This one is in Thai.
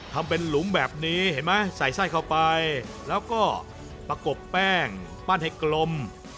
ทำเป็นหลุมแบบนี้เห็นไหมใส่ไส้เข้าไปแล้วก็ประกบแป้งปั้นให้กลม